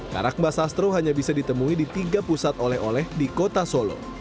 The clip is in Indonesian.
karak mbak sastro hanya bisa ditemui di tiga pusat oleh oleh di kota solo